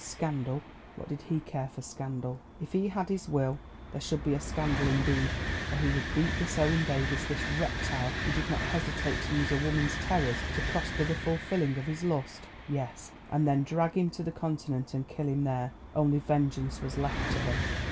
Scandal, what did he care for scandal? If he had his will there should be a scandal indeed, for he would beat this Owen Davies, this reptile, who did not hesitate to use a woman's terrors to prosper the fulfilling of his lust—yes, and then drag him to the Continent and kill him there. Only vengeance was left to him!